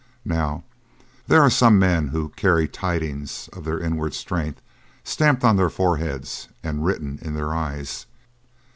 Now, there are some men who carry tidings of their inward strength stamped on their foreheads and written in their eyes.